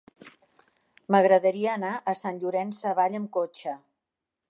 M'agradaria anar a Sant Llorenç Savall amb cotxe.